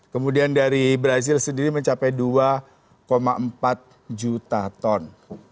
kemudian dari brazil sendiri mencapai dua empat juta ton